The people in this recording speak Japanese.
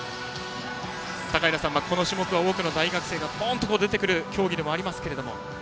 高平さん、この種目は多くの大学生がポーンと出てくる種目になりますが。